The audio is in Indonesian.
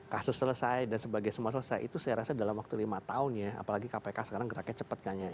kasus selesai dan sebagainya semua selesai itu saya rasa dalam waktu lima tahun ya apalagi kpk sekarang geraknya cepat kan ya